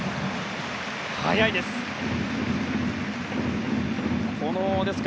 速いです。